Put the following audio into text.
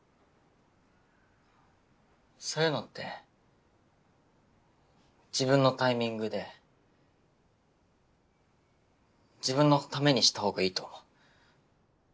そういうのって自分のタイミングで自分のためにした方がいいと思う。